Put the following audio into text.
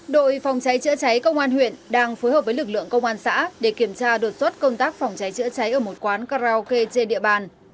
đội phòng cháy chữa cháy công an huyện đang phối hợp với lực lượng công an xã để kiểm tra đột xuất công tác phòng cháy chữa cháy ở một quán karaoke trên địa bàn